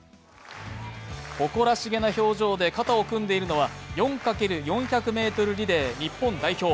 誇らしげな表情で肩を組んでいるのは、４×４００ｍリレー日本代表。